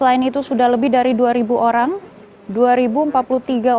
dan juga sudah lebih dari dua orang yang meninggal dunia